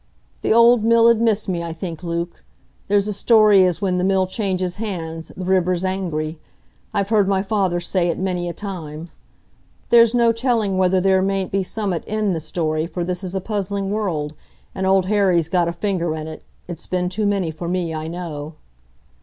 "The old mill 'ud miss me, I think, Luke. There's a story as when the mill changes hands, the river's angry; I've heard my father say it many a time. There's no telling whether there mayn't be summat in the story, for this is a puzzling world, and Old Harry's got a finger in it—it's been too many for me, I know."